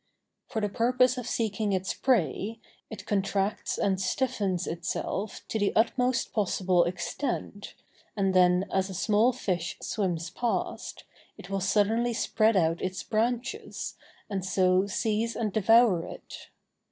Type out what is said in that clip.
For the purpose of seeking its prey, it contracts and stiffens itself to the utmost possible extent, and then, as a small fish swims past, it will suddenly spread out its branches, and so seize and devour it.